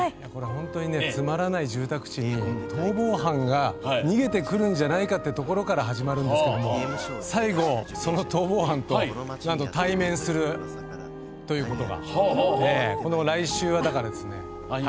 本当につまらない住宅地に逃亡犯が逃げてくるんじゃないかってところから始まるんですけど最後、その逃亡犯となんと対面するということが来週は。